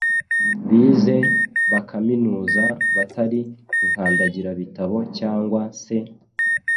bize bakaminuza, batari inkandagirabitabo cyangwa se